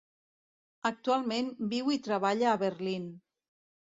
Actualment, viu i treballa a Berlín.